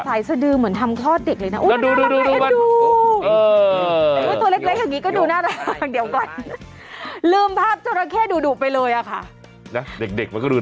ตักขาดชะดืมเหมือนทำชอบเด็กเลยนะดูดูดูแย่ดู